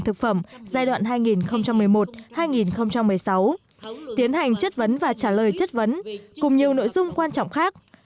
thực phẩm giai đoạn hai nghìn một mươi một hai nghìn một mươi sáu tiến hành chất vấn và trả lời chất vấn cùng nhiều nội dung quan trọng khác